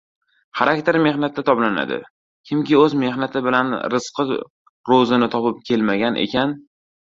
Xarakter mehnatda toblanadi, kimki o‘z mehnati bilan rizqi ro‘zini topib kelmagan ekan